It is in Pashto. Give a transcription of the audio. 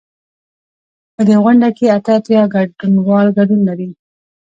په دې غونډه کې اته اتیا ګډونوال ګډون لري.